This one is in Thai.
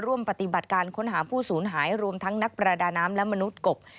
ร่วมปฏิบัติการค้นหาผู้สูญหายรวมทั้งนักประดาน้ำและมนุษย์กบ